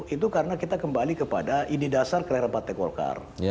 itu karena kita kembali kepada indidasar kerajaan partai golkar